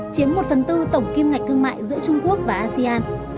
chiếm một phần tư tổng kim ngạch thương mại giữa trung quốc và asean